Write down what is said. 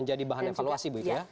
menjadi bahan evaluasi begitu ya